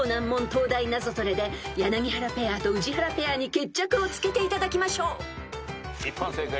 東大ナゾトレで柳原ペアと宇治原ペアに決着をつけていただきましょう］